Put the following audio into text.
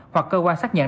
hoặc cơ quan xác nhận